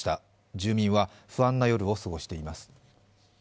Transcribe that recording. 住民は不安な夜を過ごしています。